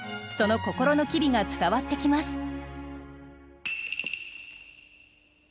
その心の機微が伝わってきます。